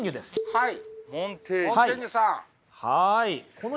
はい。